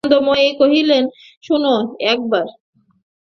আনন্দময়ী কহিলেন, শোনো একবার!